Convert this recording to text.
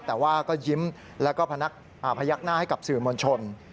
แต่ว่าก็ยิ้มแล้วก็พยักหน้าให้กับสื่อมวลชน